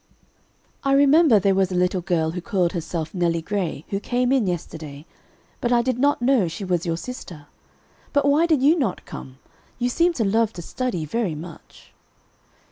"I remember there was a little girl who called herself Nelly Gray, who came in yesterday, but I did not know she was your sister. But why did you not come? You seem to love to study very much."